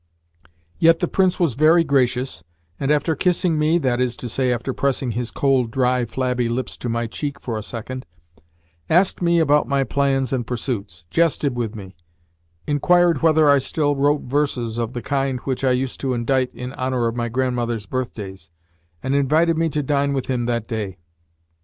Yet the Prince was very gracious and, after kissing me (that is to say, after pressing his cold, dry, flabby lips to my cheek for a second), asked me about my plans and pursuits, jested with me, inquired whether I still wrote verses of the kind which I used to indite in honour of my grandmother's birthdays, and invited me to dine with him that day.